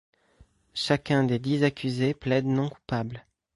Chacun des dix accusés plaide non coupable.